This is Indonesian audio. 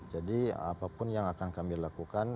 jadi apapun yang akan kami lakukan